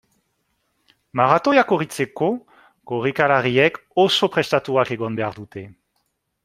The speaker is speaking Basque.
Maratoia korritzeko, korrikalariek oso prestatuak egon behar dute.